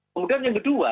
kemudian yang kedua